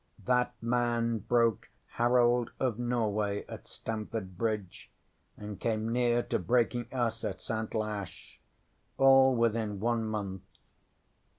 ŌĆ£That man broke Harold of Norway at Stamford Bridge, and came near to breaking us at Santlache all within one month.